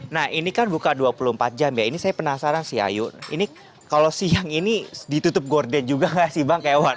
nah ini kan buka dua puluh empat jam ya ini saya penasaran sih ayu ini kalau siang ini ditutup gorden juga gak sih bang keiwan